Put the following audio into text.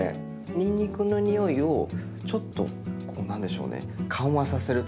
にんにくの匂いをちょっとこう何でしょうね緩和させるというか。